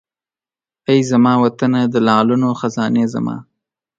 ای زما وطنه د لعلونو خزانې زما!